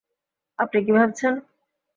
আপনি কী ভাবছেন?